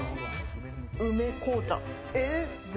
梅紅茶。